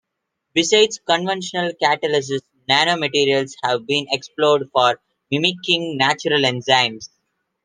Besides conventional catalysis, nanomaterials have been explored for mimicking natural enzymes.